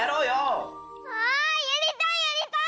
あやりたいやりたい！